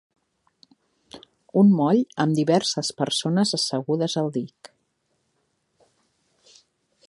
Un moll amb diverses persones assegudes al dic.